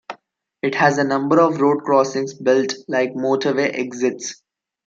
It has a number of road crossings built like motorway exits.